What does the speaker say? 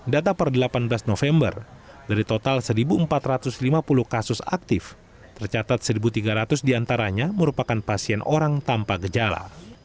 data per delapan belas november dari total satu empat ratus lima puluh kasus aktif tercatat satu tiga ratus diantaranya merupakan pasien orang tanpa gejala